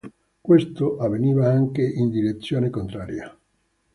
Questo avveniva anche in direzione contraria.